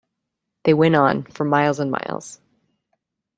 They went on, for miles and miles.